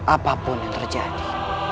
apapun yang terjadi